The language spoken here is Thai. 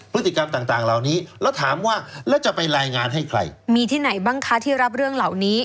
ผู้ถูกกระทำความร้องทุกข์ได้ถูกเอง